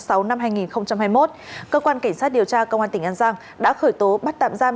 năm hai nghìn hai mươi một cơ quan cảnh sát điều tra công an tỉnh an giang đã khởi tố bắt tạm giam